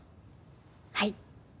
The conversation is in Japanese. はい。